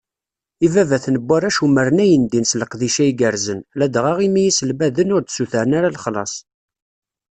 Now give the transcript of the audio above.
Ibabaten n warrac umren ayendin s leqdic-a igerrzen, ladɣa imi iselmaden-a ur d-ssutren ara lexlaṣ.